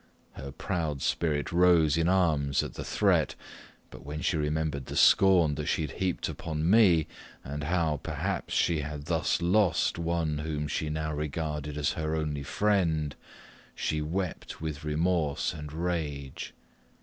Her proud spirit rose in arms at the threat; but when she remembered the scorn that she had heaped upon me, and how, perhaps, she had thus lost one whom she now regarded as her only friend, she wept with remorse and rage.